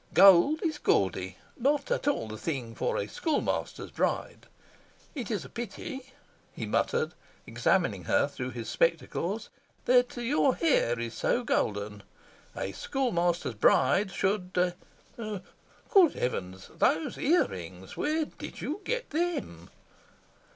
Gold is gaudy not at all the thing for a schoolmaster's bride. It is a pity," he muttered, examining her through his spectacles, "that your hair is so golden. A schoolmaster's bride should Good heavens! Those ear rings! Where did you get THEM?"